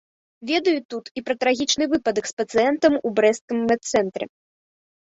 Ведаюць тут і пра трагічны выпадак з пацыентам у брэсцкім медцэнтры.